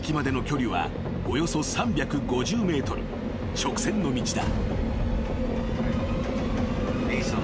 ［直線の道だ］